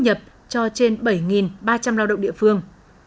nhập cho trên bảy ba trăm linh lao động địa phương